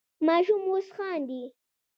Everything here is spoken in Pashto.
ماشوم اوس خاندي.